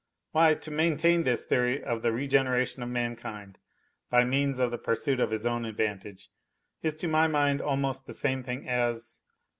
Why, to maintain this theory of the regeneration of mankind by means of the pursuit of liis own advantage IB to my mind almost the same thing as